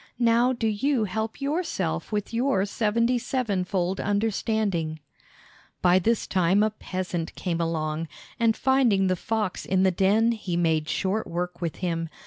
Now do you help yourself with your seventy sevenfold understanding." By this time a peasant came along, and finding the fox in the den he made short work with him.